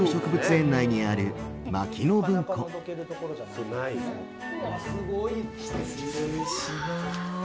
園内にある失礼します。